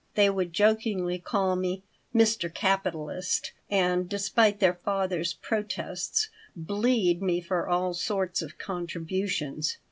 They would jokingly call me "Mr. Capitalist" and, despite their father's protests, "bleed" me for all sorts of contributions.